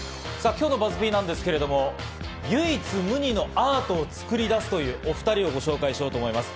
今日のＢＵＺＺ−Ｐなんですけれど、唯一無二のアートを作り出すというお２人をご紹介しようと思います。